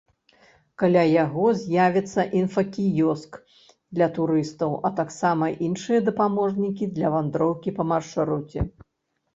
Каля яго з'явіцца інфакіёск для турыстаў, а таксама іншыя дапаможнікі для вандроўкі па маршруце.